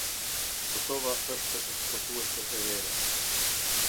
Kosova është eksportuese e verës.